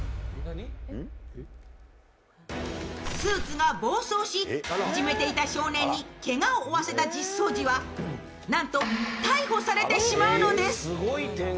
スーツが暴走しいじめていた少年にけがを負わせた実相寺はなんと逮捕されてしまうのです。